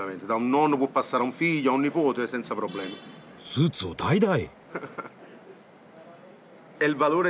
スーツを代々！